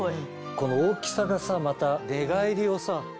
この大きさがさまた寝返りをさ